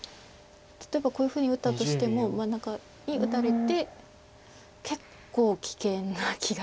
例えばこういうふうに打ったとしても真ん中に打たれて結構危険な気がします。